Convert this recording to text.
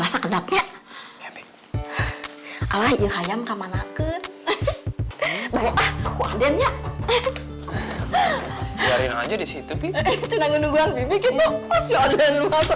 ya gak apa apa deh kalau kayak gitu